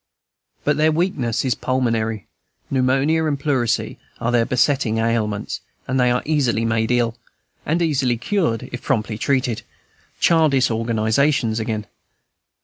But their weakness is pulmonary; pneumonia and pleurisy are their besetting ailments; they are easily made ill, and easily cured, if promptly treated: childish organizations again.